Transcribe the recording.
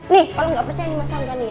nih kalau gak percaya nih mas anggani ya